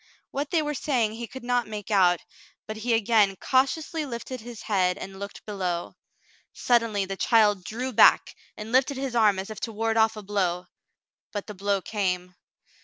What they were saying he could not make out, but he again cautiously lifted his head and looked below. Suddenly the child drew back and lifted Frale's Confession 39 his arm as if to ward off a blow, but the blow came.